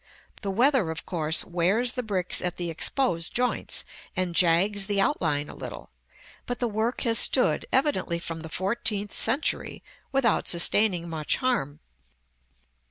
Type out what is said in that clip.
The weather of course wears the bricks at the exposed joints, and jags the outline a little; but the work has stood, evidently from the fourteenth century, without sustaining much harm.